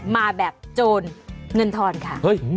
มาแบบโจรเงินทอนค่ะ